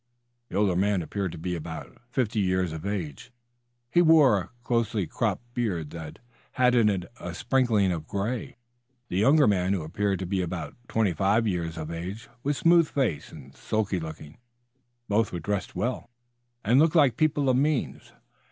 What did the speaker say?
The older man appeared to be about fifty years of age. He wore a closely cropped beard that had in it a sprinkling of gray. The younger man, who appeared to be about twenty five years of age, was smooth faced and sulky looking. Both were dressed well, and looked like people of means.